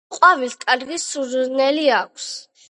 ყვავილს კარგი სურნელი აქვს